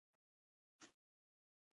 هغوی یوځای د موزون ځنګل له لارې سفر پیل کړ.